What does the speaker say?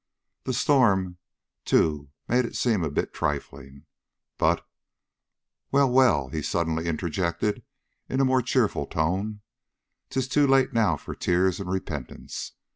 The storm, too, made it seem a bit trifling. But Well, well!" he suddenly interjected, in a more cheerful tone, "'tis too late now for tears and repentance.